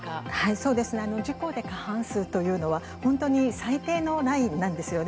そうですね、自公で過半数というのは、本当に最低のラインなんですよね。